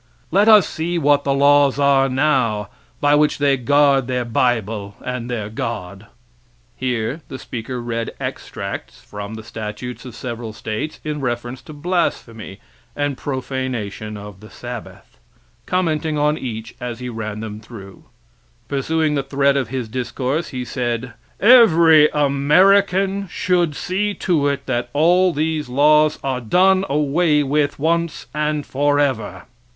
Let us see what the laws are now, by which they guard their bible and their God. [Here the speaker read extracts from the statutes of several states in reference to blasphemy and profanation of the Sabbath, commenting on each as he ran them through:] Pursuing the thread of his discourse, he said: Every American should see to it that all these laws are done away with once and forever.